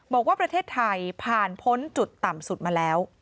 บอกว่าประเทศไทยผ่านพ้นจุดต่ำสุดมาแล้ว